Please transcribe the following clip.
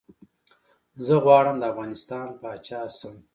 زه غواړم ده افغانستان پاچا شم